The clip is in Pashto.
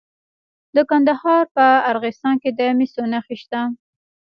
د کندهار په ارغستان کې د مسو نښې شته.